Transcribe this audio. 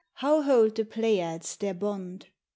How hold the Pleiades their bond?